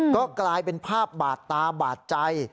ก็กลายเป็นภาพบาดตาบาดใจ